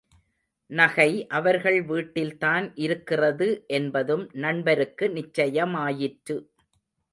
நகை அவர்கள் வீட்டில்தான் இருக்கிறது என்பதும் நண்பருக்கு நிச்சயமாயிற்று.